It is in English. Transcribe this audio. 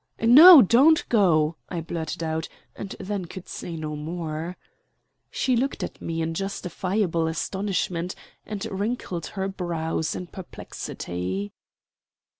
"No, don't go," I blurted out, and then could say no more. She looked at me in justifiable astonishment, and wrinkled her brows in perplexity.